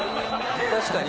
確かに。